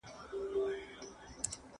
ښه وي به، خو زه دا ستا والا پيزا نه غواړم